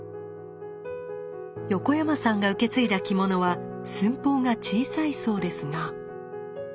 横山さんが受け継いだ着物は寸法が小さいそうですが。